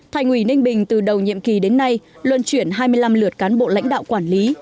thành ủy ninh bình từ đầu nhiệm kỳ đến nay luân chuyển hai mươi năm lượt cán bộ lãnh đạo quản lý